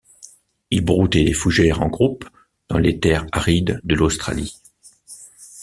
Il broutait des fougères en groupe dans les terres arides de l'Australie.